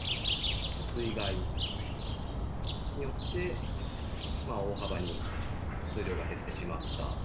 水害によって、大幅に数量が減ってしまった。